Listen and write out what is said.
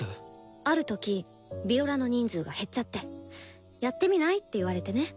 ある時ヴィオラの人数が減っちゃって「やってみない？」って言われてね。